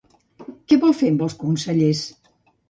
Què vol fer amb els consellers?